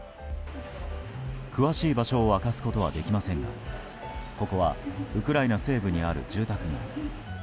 詳しい場所を明かすことはできませんがここはウクライナ西部にある住宅街。